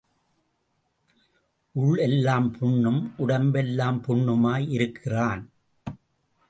உள் எல்லாம் புண்ணும் உடம்பெல்லாம் புண்ணுமாய் இருக்கிறான்.